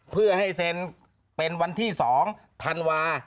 เพื่อให้เซ็นเป็นวันที่๒ธันวา